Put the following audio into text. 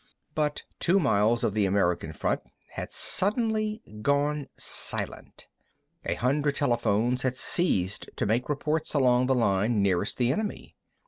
But two miles of the American front had suddenly gone silent. A hundred telephones had ceased to make reports along the line nearest the enemy.